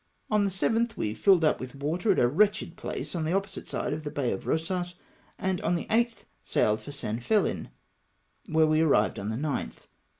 On the 7th we filled up with water at a wretched place on the opposite side of the Bay of Eosas, and on the 8th sailed for San Fehn, where we arrived on the 9th.